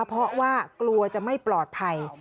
เพราะว่ากลัวจะไม่ปลอดภัย